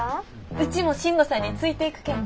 うちも信吾さんについていくけんね。